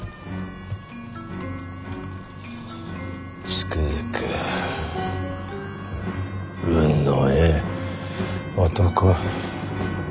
つくづく運のええ男。